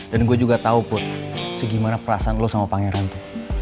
dan gue juga tau put segimana perasaan lo sama pangeran tuh